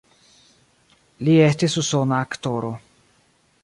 Li estis usona aktoro.